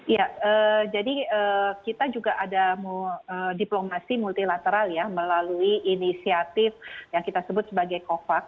ya jadi kita juga ada diplomasi multilateral ya melalui inisiatif yang kita sebut sebagai covax